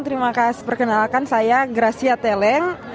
terima kasih perkenalkan saya gracia teleng